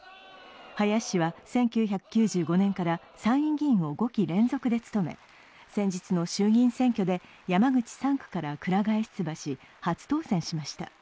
林氏は１９９５年から参院議員を５期連続で務め、先日の衆議院選挙で、山口３区からくら替え出馬し初当選しました。